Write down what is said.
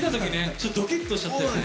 ちょっとドキッとしちゃったよね。